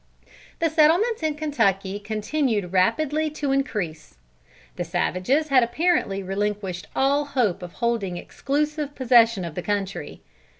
The settlements in Kentucky continued rapidly to increase. The savages had apparently relinquished all hope of holding exclusive possession of the country.